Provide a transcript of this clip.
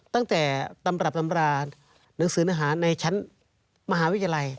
ตั้งแต่ตำรับตำราหนังสืออาหารในชั้นมหาวิทยาลัย